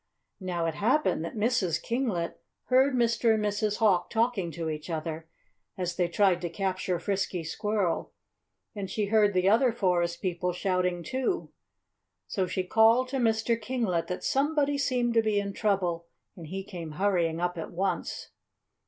Now, it happened that Mrs. Kinglet heard Mr. and Mrs. Hawk talking to each other, as they tried to capture Frisky Squirrel, and she heard the other forest people shouting, too. So she called to Mr. Kinglet that somebody seemed to be in trouble; and he came hurrying up at once.